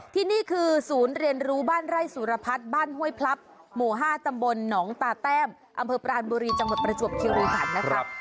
ที่นี่คือศูนย์เรียนรู้บ้านไร่สุรพัฒน์บ้านห้วยพลับหมู่๕ตำบลหนองตาแต้มอำเภอปรานบุรีจังหวัดประจวบคิริขันนะครับ